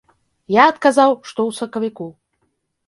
Я адказаў, што ў сакавіку.